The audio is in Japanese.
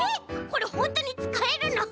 これほんとにつかえるの？